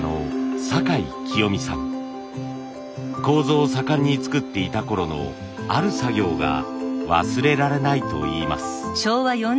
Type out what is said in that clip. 楮を盛んに作っていたころのある作業が忘れられないといいます。